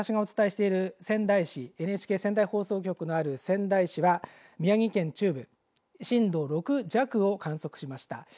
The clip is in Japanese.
今、この私、お伝えしている仙台市ＮＨＫ仙台放送局のある仙台市は宮城県中部震度６弱を観測しました。